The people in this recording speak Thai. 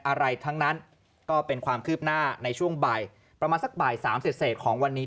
อะไรทั้งนั้นก็เป็นความคืบหน้าในช่วงบ่ายประมาณสักบ่าย๓เสร็จของวันนี้